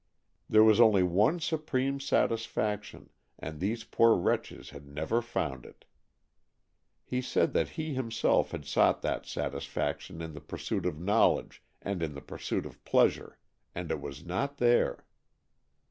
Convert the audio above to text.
There was only one supreme satisfaction, and these poor wretches had never found it. He said that he himself had sought that satisfaction in the pursuit of knowledge and in the pursuit of pleasure, and it was not there.